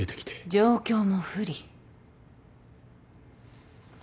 状況も不利。